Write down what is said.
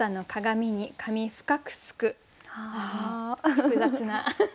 複雑な。